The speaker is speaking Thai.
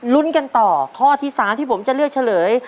กันต่อข้อที่๓ที่ผมจะเลือกเฉลย